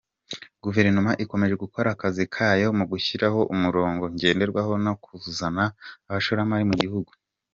Guverinoma ikomeje gukora akazi kayo mu gushyiraho umurongo ngenderwaho no kuzana abashoramari mu gihugu.